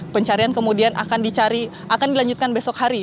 pencarian kemudian akan dilanjutkan besok hari